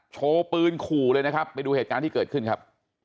โชว์ปืนขู่เลยนะครับไปดูเหตุการณ์ที่เกิดขึ้นครับ